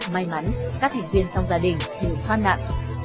may mắn các thành viên trong gia đình đều thoát nạn